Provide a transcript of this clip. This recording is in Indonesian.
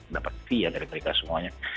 dapat fiat dari mereka semuanya